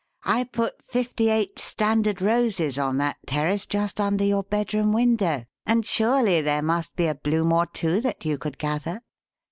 I put fifty eight standard roses on that terrace just under your bedroom window, and surely there must be a bloom or two that you could gather?"